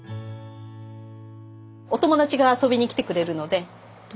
お友達が遊びに来てくれるので。